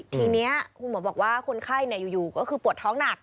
ทีนี้คุณหมอบอกว่าคนไข้อยู่ก็คือปวดท้องหนัก